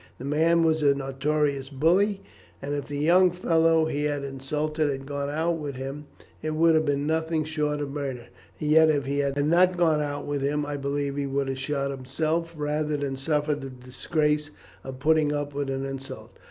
The man was a notorious bully, and if the young fellow he had insulted had gone out with him, it would have been nothing short of murder; and yet if he had not gone out with him I believe he would have shot himself, rather than suffer the disgrace of putting up with an insult.